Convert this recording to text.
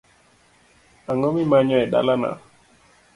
Ang'o mimanyo e dalana?